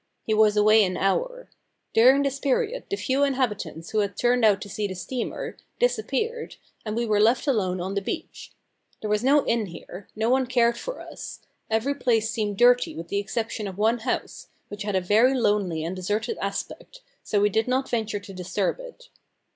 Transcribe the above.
He was away an hour. During this period the few inhabitants who had turned out to see the steamer, disappeared, and we were left alone on the beach. There was no inn here; no one cared for us; every place seemed dirty with the exception of one house, which had a very lonely and deserted aspect, so we did not venture to disturb it.